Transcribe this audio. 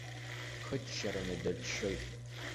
Хыччараны дыччоит.